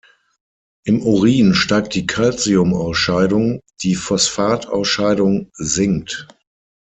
Im Urin steigt die Calcium-Ausscheidung, die Phosphat-Ausscheidung sinkt.